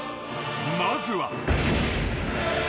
［まずは］